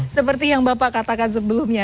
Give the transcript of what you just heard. seperti yang bapak katakan sebelumnya